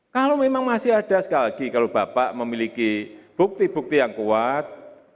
kalau memang masih ada sekali lagi kalau bapak memiliki bukti bukti yang kuat